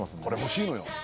これ欲しいのよ